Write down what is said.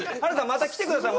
また来てください